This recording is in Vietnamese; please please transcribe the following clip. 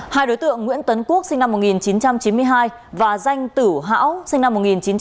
hai đối tượng nguyễn tấn quốc sinh năm một nghìn chín trăm chín mươi hai và danh tử hão sinh năm một nghìn chín trăm chín mươi